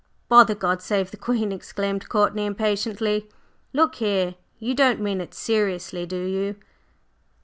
"Bother 'God save the Queen,'" exclaimed Courtney impatiently. "Look here, you don't mean it seriously, do you?"